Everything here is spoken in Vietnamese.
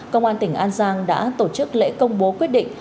công an tỉnh an giang đã tổ chức lễ công bố quyết định